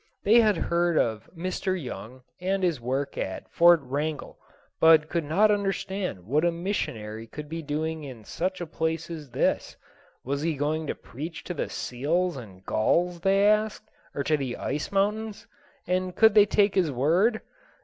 They had heard of Mr. Young and his work at Fort Wrangell, but could not understand what a missionary could be doing in such a place as this. Was he going to preach to the seals and gulls, they asked, or to the ice mountains? And could they take his word?